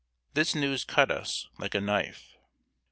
This news cut us like a knife.